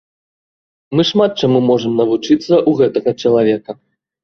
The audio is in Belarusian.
Мы шмат чаму можам навучыцца ў гэтага чалавека.